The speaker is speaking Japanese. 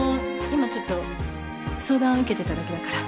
今ちょっと相談受けてただけだから。